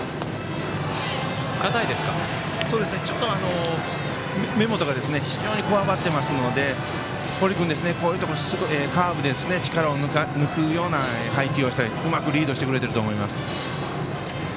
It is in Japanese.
ちょっと目元が非常に、こわばってますので堀君、こういうところカーブなど力を抜くような配球をしたり、うまくリードしてくれてると思います。